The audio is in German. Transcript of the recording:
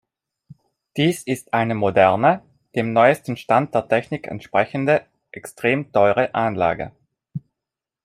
Dies ist ein moderne, dem neuesten Stand der Technik entsprechende, extrem teure Anlage.